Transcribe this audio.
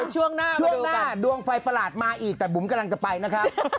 ช่วงหน้าช่วงหน้าดวงไฟประหลาดมาอีกแต่บุ๋มกำลังจะไปนะครับ